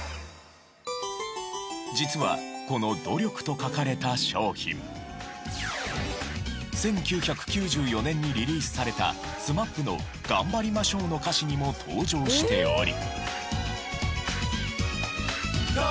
実はこの「努力」と書かれた商品１９９４年にリリースされたＳＭＡＰの『がんばりましょう』の歌詞にも登場しており。